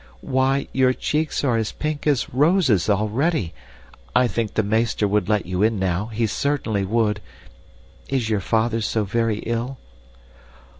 Why, your cheeks are as pink as roses, already. I think the meester would let you in now, he certainly would. Is your father so very ill?"